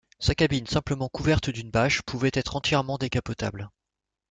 Sa cabine simplement couverte d'une bâche pouvait être entièrement décapotable.